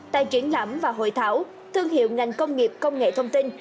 tại triển lãm và hội thảo thương hiệu ngành công nghiệp công nghệ thông tin